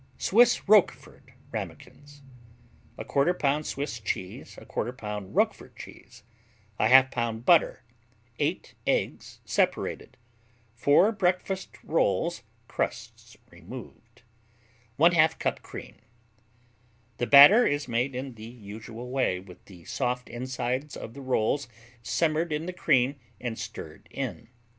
Swiss Roquefort Ramekins 1/4 pound Swiss cheese 1/4 pound Roquefort cheese 1/2 pound butter 8 eggs, separated 4 breakfast rolls, crusts removed 1/2 cup cream The batter is made in the usual way, with the soft insides of the rolls simmered in the cream and stirred in.